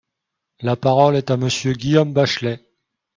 La parole est à Monsieur Guillaume Bachelay.